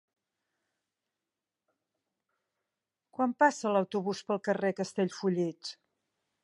Quan passa l'autobús pel carrer Castellfollit?